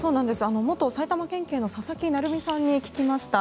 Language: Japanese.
元埼玉県警の佐々木成三さんに聞きました。